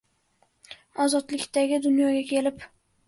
Ozodlikda dunyoga kelib